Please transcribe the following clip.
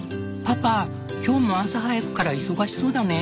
パパ今日も朝早くから忙しそうだね。